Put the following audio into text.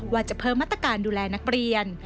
ว่าจะเพิ่มมาตรการดูแลนักเรียน